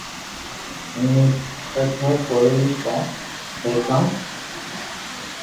اي مي ݾڪ ھي ڪوئي ني ڪو سھي ڪاو